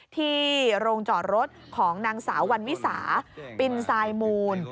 ที่โรงจอดรถของนางสาววันวิสาปินทรายมูล